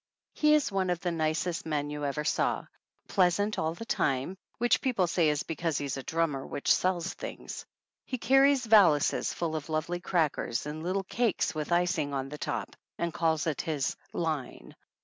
He is one of the nicest men you ever saw, pleasant all the time, which people say is because he's a drummer which sells things. He carries valises full of lovely crackers and little cakes with icing on the top, and calls it his "line."